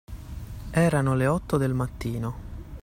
Erano le otto del mattino.